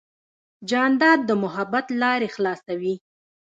جانداد د محبت لارې خلاصوي.